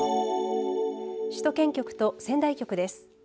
首都圏局と仙台局です。